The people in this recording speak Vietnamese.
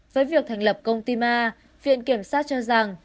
với việc thành lập công ty ma viện kiểm sát cho rằng